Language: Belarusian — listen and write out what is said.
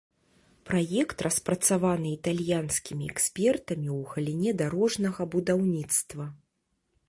Праект распрацаваны італьянскімі экспертамі ў галіне дарожнага будаўніцтва.